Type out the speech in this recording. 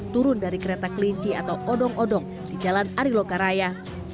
turun dari kereta kelinci atau odong odong di jalan arilokaraya